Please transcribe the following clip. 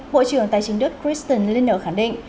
bộ trưởng tài chính đức christian lindner khẳng định